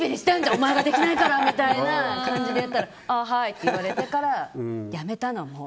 お前ができないから！っていう感じで言ったらああ、はいって言われてからやめたの、もう。